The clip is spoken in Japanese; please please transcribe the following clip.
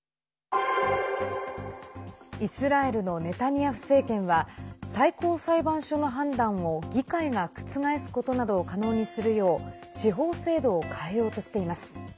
イスラエルのネタニヤフ政権は最高裁判所の判断を議会が覆すことなどを可能にするよう司法制度を変えようとしています。